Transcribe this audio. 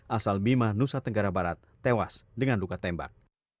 asal bima nusa tenggara barat tewas dengan luka tembak